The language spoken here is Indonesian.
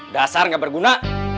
dasar gak berguna